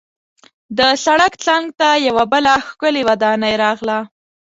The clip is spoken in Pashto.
د سړک څنګ ته یوه بله ښکلې ودانۍ راغله.